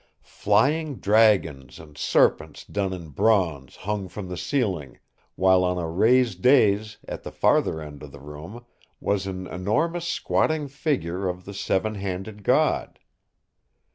Flying dragons and serpents done in bronze hung from the ceiling, while on a raised dais at the farther end of the room was an enormous squatting figure of the seven handed god.